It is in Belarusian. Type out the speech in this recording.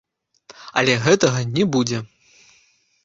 Але гэтага не будзе!